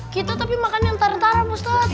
kita tapi makan yang ntar ntar ustadz